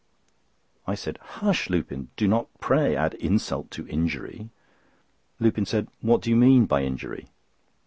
I said: "Hush, Lupin! Do not pray add insult to injury." Lupin said: "What do you mean by injury?